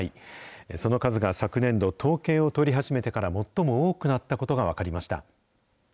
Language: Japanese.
その数が昨年度、統計を取り始めてから最も多くなったことが分かりました。